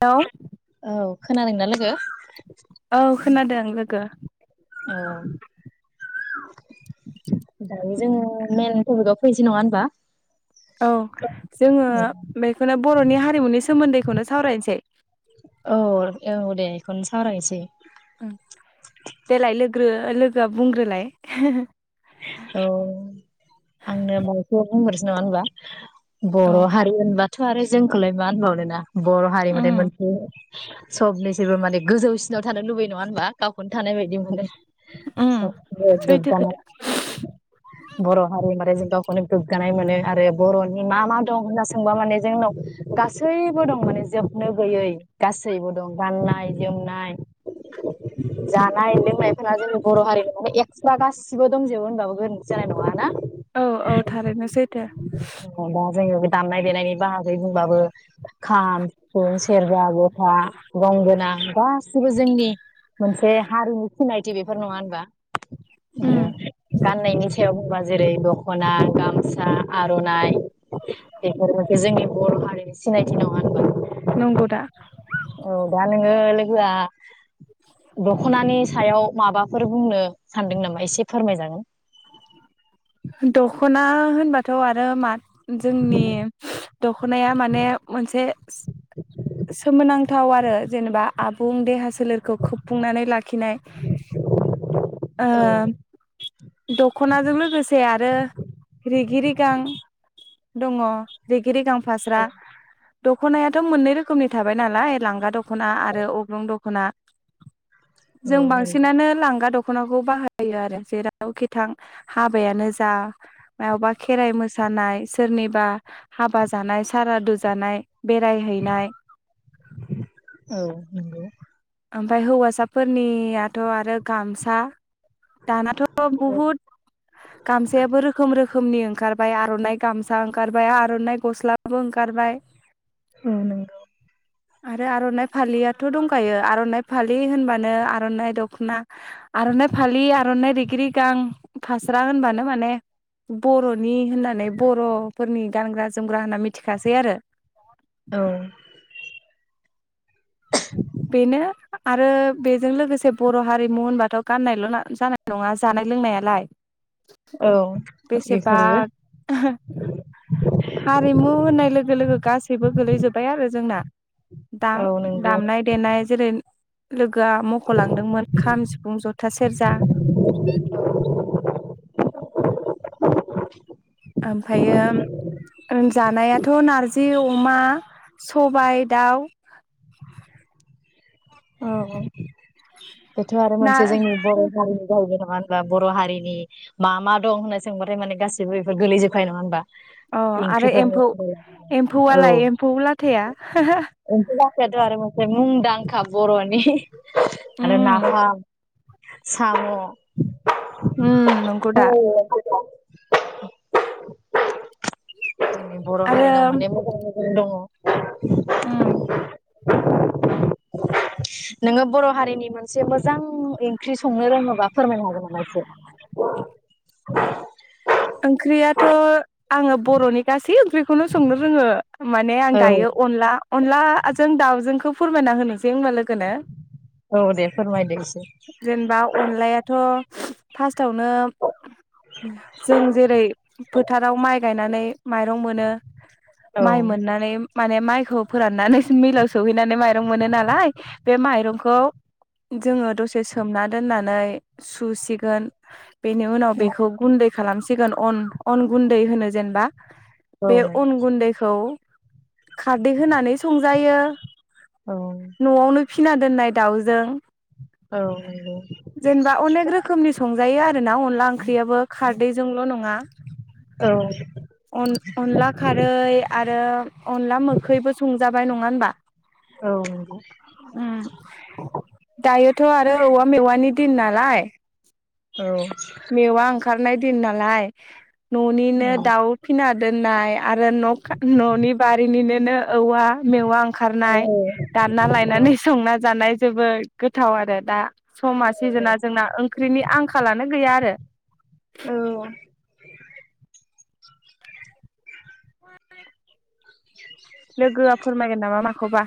औ औ खोनादोंना लोगो? औ खोनादों लोगो औ दायो जोङो मेन टपिकाव फैनोसै नङा होनबा औ जोङो बेखौनो बर'नि हारिमुनि सोमोन्दै खौनो सावरायनोसै औ औ दे बेखौनो सावरायनोसै। ओं देलाय लोगो लोगोआ बुंग्रोलाय औ आंनो बुंनोसै बुंग्रोनोसै नङा होमब्ला औ बर' हारि होनबा थ' आरो जोंखौलाय मा होनबावनो ना बर'हारि माने मोनसे सबनि सैबो माने गोजौसिनाव थानो लुबै नङा होनबा गावखौनो थानाय बायदि मोनो। सबथिंनो सैथो गोग्गानाय खोथा बर' हारि माने जों गावखौनो गोग्गा नाय मोनो आरो बर'नि मा मा दं होनना सोंबा माने जोंनाव गासैबो दं माने जोबनो गैयै गासैबो दं गाननाय-जोमनाय जानाय लोंनायफ्रा जों बर' हारिमुआव एक्सट्रा गासिबो दंजोबो होनबाबो गोरोनथि जानाय नङा ना। दा औ औ थारैनो सैथो जोङो बे दामनाय-देनायनि बाहागै बुंबाबो खाम, सिफुं, सेरजा, गथा, गंगोना गासिबो जोंनि मोनसे हारिनि सिनायथि बेफोर नङा होनबा। गाननायनि सायाव बुंबा जेरै रै दख'ना, गामसा, आर'नाइ बेफोरबोदि जोंनि बर' हारिनि सिनायथि नङा होनबा नंगौ दा औ दा नोङो ल़ोगोआ दख'नानि सायाव माबाफोर बुंनो सानदों नामा एसे फोरमायजागोन दख'ना होनबाथ' आरो मा जोंनि दख'नाया माने मोनसे सोमोनांथाव आरो जेनेबा आबुं देहा स सोलेरखौ खोबफुंनानै लाखिनाय औ दखनाजों लोगोसे आरो रिगि रि गां दङ रिगि रिगां फास्रा दख'नायाथ' मोननै रोख़ोम नि थाबाय नालाय लांगा दख' दख'ना आरो अग्लं दख'ना जों नंगौ बांसिनानो लांगा दख' दख'नाखौ बाहायो आरो जेरावखि थां हाबायानो जा मबा खेराइ मोसानाय सोरनिबा हाबा जानाय सारादु जानाय बेरायहैनाय औ नोंगौ ओमफ्राय हौवासाफोरनियाथ' आरो गामसा दानाथ' बुहुद गामसायाबो रोखोम रोखोम रोखोमनि ओंखारबाय आर'नाइ गामसा ओंखारबाय आर'नाइ गस्लाबो ओंखारबाय औ नंगौ आरो आर'नाय फालिया थ' दंखायो आर'नाय फालि होनबानो आर'नाइ दख'ना आर'नाय फालि आर'नाय रिगि रिगां फास्रा होनबानो माने बर'नि होननानै बर'फोरनि गानग्रा जोमग्रा होनना मिथिखासै आरो औ बेनो आरो बेजों लोगोसे बर' हारिमु होनबाथ' गाननायल' जानाय नङा जानाय लोंनायालाय औ बेसेबा बेफोरबो हारिमु होननाय लोगो लोगो गासैबो गोलैजोब्बाय आरो जोंना द औ नंगौ औ दामनाय देनाय जेरै लोगो आ मख'लांदोंमोन खाम सिफुं जथा सेरजा ओमफ्रायो जानायाथ' नारजि अमा सबाय दाउ औ औ बेथ' आरो ना मोनसे जोंनि बर' हारिनि गावनो नङा बा बर' हारिनि मा मा दं होनना सोंबाथाय माने गासिबो बेफोर गोलैजोबखायो नङा होनबा अ आरो ओंख्रिफोरनि एमफौ औ एम्फौआलाय एम्फौ लाथाया बेथ' आरो मोनसे मुंदांखा बर'नि आरो उम नाफाम साम' उम नंगौ दा [unintelligible] जोंनि बर' आरो हारिनाव माने मोजां मो दङ उम [unintelligible] नोङो बर' हारिनि मोनसे मोजां एंख्रि संनो रोङोबा फोरमायनो हागोन नामा एसे ओंख्रियाथ' आङो बर'नि गासै ओंख्रि खौनो संनो रोङो माने आं औ दायो अनला अनलाजों दाउजोंखो फोरमायना होनोसै होमबा लो गोनो औ दे फोरमायदो एसे जेनबा अनलायाथ' फास्टावनो जों जेरै फोथाराव माइ गायनानै माइरं मोनो। औ माइ मोननानै माने माइ खौ फोराननानै मिलाव सौहैनानै माइरं मोनो नालाय बे माइरंखौ जोङो दसे सोमना दोननानै सुसिगोन। बेनि उनाव बेखौ गुन्दै खालामसिगोन अन अन गुन्दै होनो जेनबा। औ बे अन गुन्दैखौ खारदै होनानै संजायो। नों न'आवनो फिना दोननाय दाउजों औ नंगौ जेनबा अनेक रोखोमनि संजायो आरो ना अनला ओं ख्रियाबो खा दैजोंल' नङा अन अनला खारै आरो अनला मोखैबो संजाबाय नङा होनबा? औ नंगौ उम दायोथ' आरो औवा मेवानि दिन नाल लाय औ खारनाय दिन नालाय न'निनो दाउ फिना दोननाय आरो न' न'नि बारिनिनो नो औवा मेवा उम औ खारनाय दानना लायनानै संना जानाय जोबोर गोथाव आरो दा। समा सिजोना जोंना ओंख्रिनि आंखालानो गैया आरो औ लोगोआ फोरमायगोन नामा मा खबा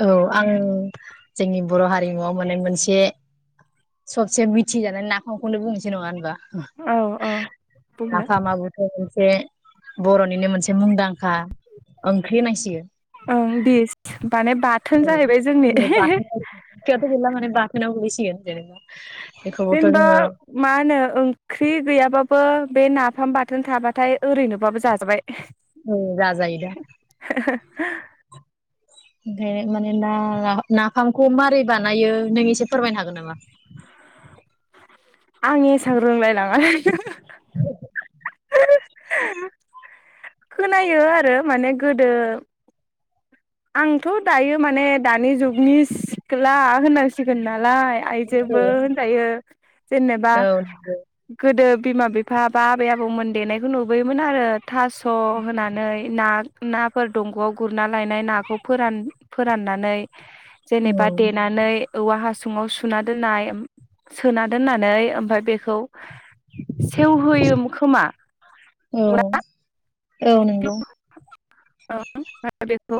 औ आं जोंनि बर' हारिमुआव माने मोनसे सबसे मिथिजानाय नाफामखौनो बुंनोसै नङा होनबा। औ औ नाफामाबोथ' मोनसे एसे बर'निनो मोनसे मुंदांखा ओंख्रि होननांसिगोन। ओं देस माने बाथोन जाहैबाय जोंनि बाथोनाव [unintelligible] बेखौबोथ' जेनेबा जोङो मा होनो ओंख्रि गैयाबा बो बे नाफाम बाथोन थाबाथाय ओरैनोबाबो जाजाबाय। औ जाजायोदा। [inaudible] ओमफ्राय माने ना नाफामखौ मारै बानायो नों एसे फोरमायनो हागोन नामा? आं एसां रोंलायलाङा। [inaudible] [inaudible] खोनायो आरो माने गोदो आंथ' दायो माने दानि जुगनि सिख्ला होननांसिगोन ना लाय आइजोबो होनजायो। जेनेबा औ गोदो बिमा बिफा बा आबै आबौमोन देनायखौ नुबोयोमोन आरो। थास' होनानै ना नाफोर दंग'आव गुरना लायनाय ना खौ फोरान-फोराननानै। जेनेबा औ देनानै औवा हासुङाव सुना दोननाय सोना दोननानै ओमफाय बेखौ सेवहोयोमोन खोमा। औ नंगौना? औ नोंगौ। ओं [unintelligible] ओमफ्राय बेखौ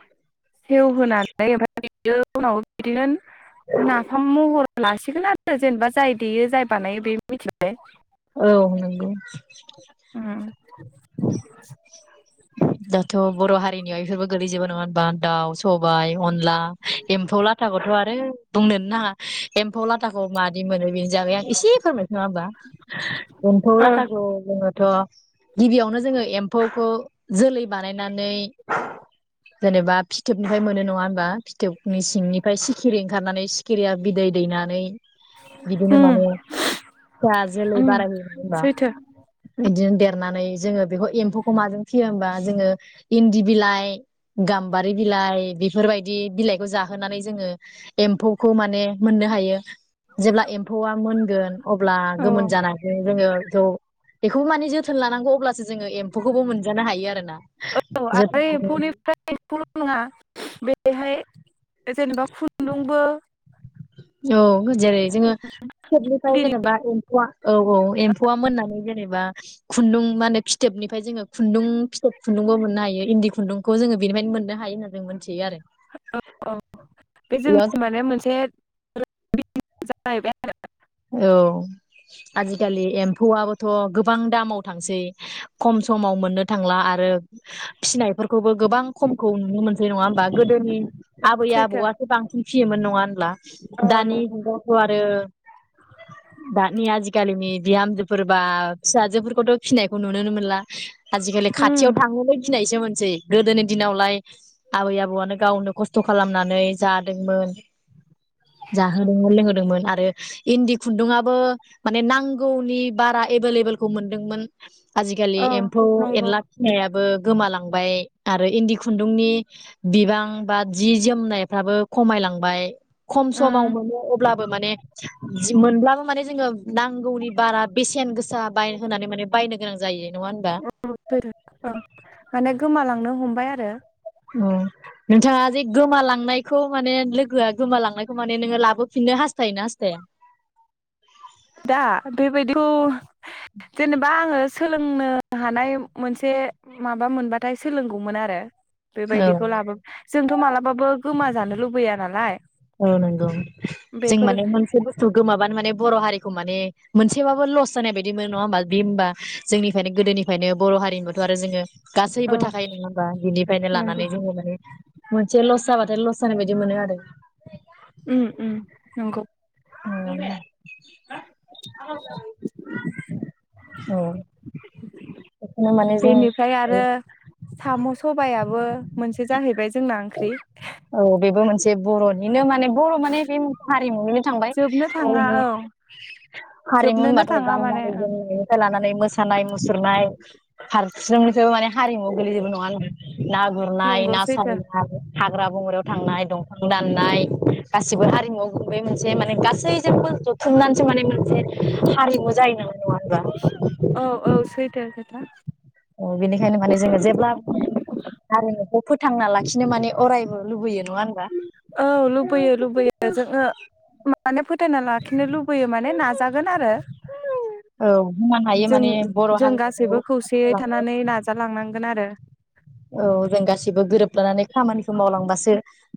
सेवहोनै ओमफ्राय बियो उनाव बिदिनो नाफाम महर लासिगोन आरो जेनेबा जाय देयो जाय बानायो बे मिथिबाय। औ नोंगौ। उम। दाथ' बर' हारिनियाव इफोरबो गोलैजोबो नङा होनबा दाउ सबाइ अनला एम्फौ लाथाखौथ' आरो बुंनोनो नाङा। एम्फौ लाथाखौ मादि मोनो बेनो बागै आं एसे फोरमायनोसै नङा होमबा। एम्फौ लाथाखौ जोङोथ' गिबियावनो जोङो एम्फौखौ जोलै बानायनानै जेनेबा फिथोबनिफ्राय मोनो नङा होनबा फिथोबनि सिंनिफ्राय सिखिरि ओंखारनानै सिखिरिया बिदै दैनानै बिदिनो उम माने [unintelligible] उम बारायहोयो नङा होनबा सैथो। बिदिनो देरनानै जोङो बेखौ एम्फौखौ माजों फियो होमबा जोङो इन्दि बिलाइ गाम्बारि बिलाइ बेफोरबायदि बिलाइखौ जाहोनानै जोङो एम्फौखौ माने मोननो हायो। जेब्ला एम्फौआ मोनगोन अ औ गोमोन जानानै जोङो ज' बेखौबो माने जोथोन लानांगौ अब्लासो जोङो एम्फौखौबो मोनजानो हायो आरोना। औ जोथोन आरो लानानै एम्फौनिफ्राय एम्फौल' नङा बेहाय जेनेबा खुन्दुंबो औ जेरै जोङो फिथोबनिफ्राय जेनेबा एमफौआ औ औ एम्फौआ मोननानै जेनेबा खुन्दुं माने फिथोबनिफ्राय जोङो खुन्दुं फिथोब खुन्दुंबो मोननो हायो इन्दि खुन्दुंखौ जोङो बेनिफ्रायनो मोननो हायो होननानै जों मोनथियो आरो बे बेयाव जोंनि जों माने मोनसे [unintelligible] औ आजिखालि एम्फौआबोथ थ' गोबां दामाव थांसै खम समाव मोननो थांला आरो फिसिनायफोरखौबो गोबां खमखौ नुनो मोनसै नङा होमबा गोदोनि आबै सैथो आबौआथ' बांसिन फियोमोन नङा होनब्ला अ दानि नंगौ जुगावथ' आरो दानि आजिखालिनि बिहामजो सोरबा फिसाजोफोरखौथ' फिनाय नुनोनो मोनला आजिखालि उम खाथियाव थांनोबो गिनाय मोनसै गोदोनि दिनावलाय आबै आबौआनो गावनो खस्थ' खालामनानै जादोंमोन जाहोदोंमोन लोंहोदोंमोन आरो इन्दि खुन्दुआबो माने नांगौनि बारा एभेलेबलखौ मोनदोंमोन आजिखालि औ एम्फौ नंगौ एनला फिनायाबो गोमालांबाय आरो इन्दि खुन्दुंनि बिबां बा जि जोमनायफ्राबो खमायलांबाय खम समाव उम मोनो अब्लाबो माने मोनब्लाबो माने जोङो नांगौनि बारा बेसेन गोसा होनानै माने बायनो गोनां जायो नङा होनबा औ सैथो माने गोमालांनो हमबाय आरो नोंथाङा जे गोमालांनायखौ माने लोगोआ गोमालांनायखौ माने नोङो लाबोफिननो हास्थायोना हास्थाया दा बेबायदिखौ जेनेबा आङो सोलोंनो हानाय मोनसे माबा मोनबाथाय सोलोंगौमोन आरो औ बेबायदिखौ लाबो जोंथ' मालाबाबो गोमा जानो लुबैया नालाय अ नंगौ जों बेफोर माने मोनसे बुस्थु गोमाबानो माने बर' हारिखौ माने मोनसेबाबो लस जानाय बायदि मोनो नङा होमबा बि होमबा जोंनिफ्रायनो गोदोनिफ्रायनो बर' हारिनिबोथ' आरो जोङो औ गासैबो थाखायो नङा होमबा बिनिफ्रायनो नंगौ लानानै जोङो माने मोनसे लस जाबाथाय लस जानाय बायदि मोनो आरो उम उम नंगौ। [unintelligible] औ बेखौनो माने जों बेनिफ्राय आरो साम' सबायआबो मोनसे जाहैबाय ज जोंना ओंख्रि जे बर'निनो मा माने बर' माने बे हारिमुनिनो थांबाय जोबनो थाङा हारिमु औ हारिमु जोबनोनो होनबाथाय थाङा माने गाननाय ओं जोमनायनिफ्राय लानानै मोसानाय मुसुरनाय हार जोंनिफ्रायबो माने हारिमुआव गोलैजोबो नङा होमबा ना गुरनाय नंगौ ना सैथो सारनाय हाग्रा बंग्रायाव थांनाय दंफां दाननाय गासिबो हारिमुआव गुबै मोनसे माने गासैजोंबो जथुमनान सो माने मोनसे हारिमु जायो [unintelligible] नङा होनबा औ औ सैथो नोंथां। बेनिखायनो माने जोङो जेब्ला हारिमुखौ फोथांना लाखिनो माने अरायबो लुबैयो नङा होनबा? औ लुबैयो लुबैयो जोङो मा माने फोथायना लाखिनो लुबैयो माने नाजा गोन आरो औ बुंनो [inaudible] हायो जों माने बर' जों गासैबो हारिमुखौ खौसेयै थानानै नाजालांनांगोन आरो। औ जों गासिबो गोरोबलानानै खामानिखौ मावलांबासो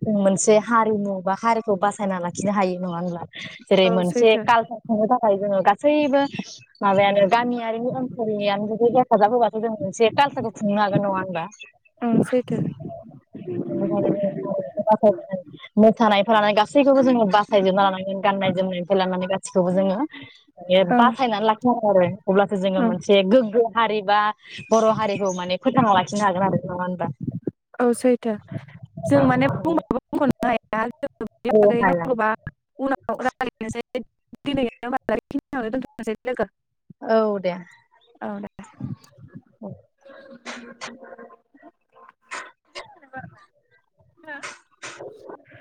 जों मोनसे हारिमु बा हारिखौ बासायना लाखिनो हायो नङा होमब्ला? जेरै औ मोनसे सैथो काल [unintelligible] खुंनो थाखा थाय जोङो गासैबो माबायानो गामियारिनि ओनसोलनियानो जुदि हेफाजाब होबाथ' जों मोनसे कालचारखौ खुंनो हागोन नङा होमबा? [inaudible] बेनिखायनो ओं सैथो बे हारिमुखौ बासाय नांगोन। मोसानायखौ लानानै गासैखौबो जोङो बासायजोबना लानांगोन गाननाय जोमनायनिफ्राय लानानै गासिखौबो जोङो। हायो ओं बासायना ला [unintelligible] आरो अब्लासो जोङो ओं मोनसे गोग्गो हारि बा बर' हारिखौ माने फोथांना लाखिनो हागो गोन आरो नङा होनबा? औ सैथो जों माने बुंबाबो [unintelligible] औ हागोन हाया। [unintelligible] [unintelligible] औ दे। औ दे। [inaudible] [unintelligible]